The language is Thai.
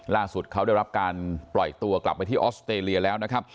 ล่าสุดเขาได้รับการปล่อยตัวกลับไปที่ออสเตรเลียแล้วนะครับ